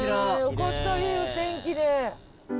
よかったいいお天気で。